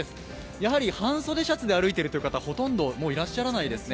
やはり半袖シャツで歩いてる方、ほとんどいらっしゃらないですね。